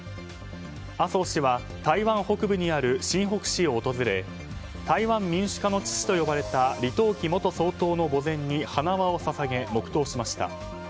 麻生氏は台湾北部にある親北市を訪れ台湾民主化の父と呼ばれた李登輝元総統の墓前に花輪を捧げ、黙祷しました。